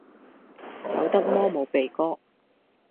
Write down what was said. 走得摩冇鼻哥